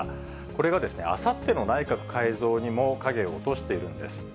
これがですね、あさっての内閣改造にも影を落としているんです。